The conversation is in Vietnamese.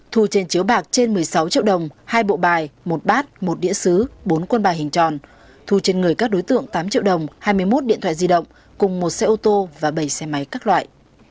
thu trên chiếu bạc trên một mươi sáu triệu đồng hai bộ bài một bát một đĩa xứ bốn quân bài hình tròn thu trên người các đối tượng tám triệu đồng hai mươi một điện thoại di động cùng một xe ô tô và bảy xe máy các loại